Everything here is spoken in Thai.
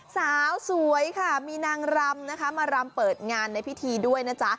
สาวสวยค่ะมีนางรำนะคะมารำเปิดงานในพิธีด้วยนะจ๊ะ